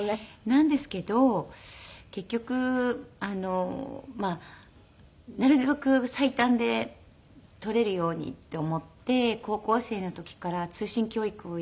なんですけど結局なるべく最短で取れるようにって思って高校生の時から通信教育をやって。